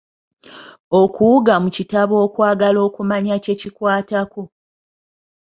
Okuwuga mu kitabo okwagala okumanya kye kikwatako.